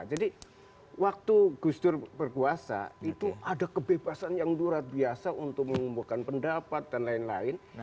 jadi waktu gus dur berkuasa itu ada kebebasan yang luar biasa untuk mengumpulkan pendapat dan lain lain